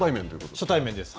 初対面です。